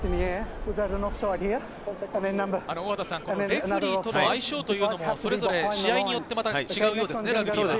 このレフェリーとの相性というのも試合によってまた違うようですね、ラグビーは。